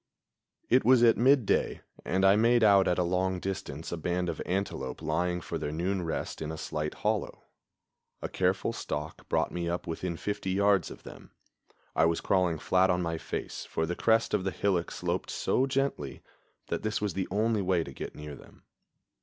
It was at midday, and I made out at a long distance a band of antelope lying for their noon rest in a slight hollow. A careful stalk brought me up within fifty yards of them. I was crawling flat on my face, for the crest of the hillock sloped so gently that this was the only way to get near them.